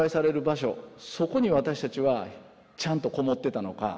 そこに私たちはちゃんとこもってたのか。